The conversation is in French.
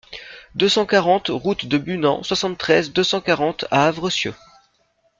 deux cent quarante route de Bunand, soixante-treize, deux cent quarante à Avressieux